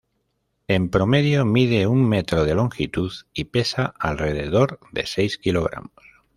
En promedio mide un metro de longitud y pesa alrededor de seis kg.